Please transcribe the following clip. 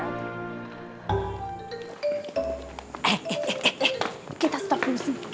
eh eh eh eh kita stop fungsi